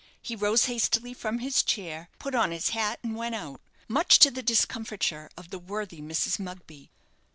He rose hastily from his chair, put on his hat, and went out, much to the discomfiture of the worthy Mrs. Mugby.